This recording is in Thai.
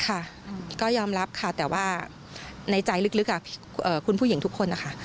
ค่ะก็ยอมรับค่ะแต่ว่าในใจลึกคุณผู้หญิงทุกคนนะคะ